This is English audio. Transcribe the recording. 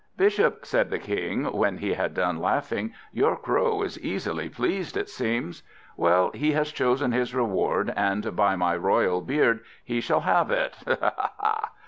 "Bishop," said the King, when he had done laughing, "your Crow is easily pleased, it seems! Well, he has chosen his reward, and by my royal beard, he shall have it. Ha, ha, ha!"